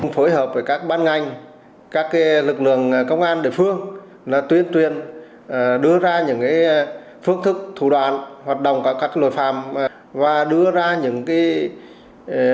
phối hợp với các bán ngành các lực lượng công an địa phương là tuyên tuyên đưa ra những phương thức thủ đoàn hoạt động các loại phạm và đưa ra những hành vi nguy hiểm